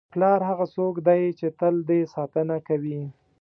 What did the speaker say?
پلار هغه څوک دی چې تل دې ساتنه کوي.